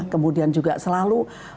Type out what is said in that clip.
kemudian juga selalu